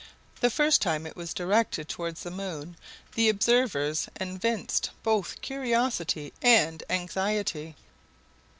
The first time it was directed toward the moon the observers evinced both curiosity and anxiety.